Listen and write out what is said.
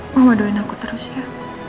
mau maduin aku terus ya